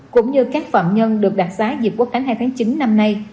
cũng như các phạm nhân được đặc sá dịch quốc khánh hai tháng chín năm nay